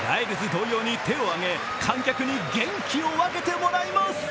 同様に手を上げ観客に元気を分けてもらいます。